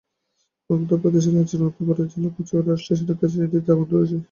অন্ধ্র প্রদেশ রাজ্যের অনন্তপুর জেলার কোথাচেরাভু স্টেশনের কাছে ট্রেনটিতে আগুন ধরে যায়।